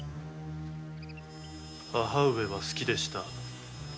母上は好きでした。